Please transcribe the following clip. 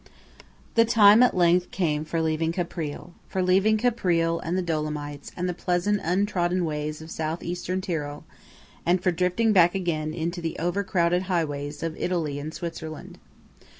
THE time at length came for leaving Caprile–for leaving Caprile, and the Dolomites, and the pleasant untrodden ways of South Eastern Tyrol, and for drifting back again into the overcrowded highways of Italy and Switzerland.